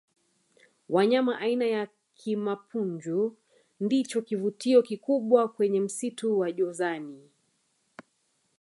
wanyama aina ya kimapunju ndicho kivutio kikubwa kwenye msitu wa jozani